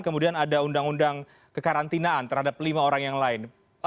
kemudian ada undang undang kekarantinaan terhadap lima orang yang lain